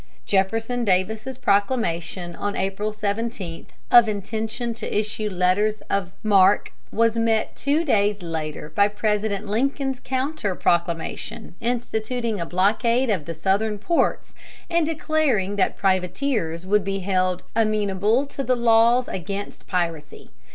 Jefferson Davis's proclamation, on April 17, of intention to issue letters of marque, was met two days later by President Lincoln's counter proclamation instituting a blockade of the Southern ports, and declaring that privateers would be held amenable to the laws against piracy.